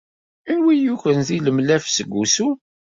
Anwa ay yukren tilemlaf seg wusu?